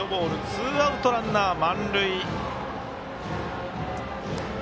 ツーアウト、ランナー満塁。